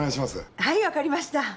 はい分かりました。